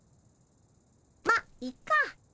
まっいっか。